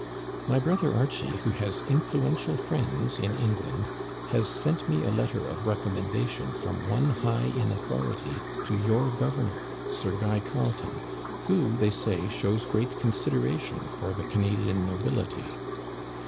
My brother Archie, who has influential friends in Eng land, has sent me a letter of recommendation from one high in authority to your governor, Sir Guy Carleton, who, they say, shows great consideration for the Cana dian nobility.